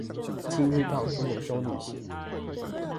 今日到中美州旅行